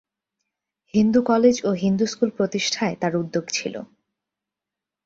Hindu College ও Hindu School প্রতিষ্ঠায় তার উদ্যোগে ছিল।